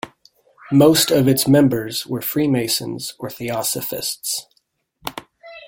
Most of its members were Freemasons or theosophists.